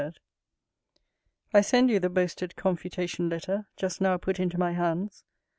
I send you the boasted confutation letter, just now put into my hands.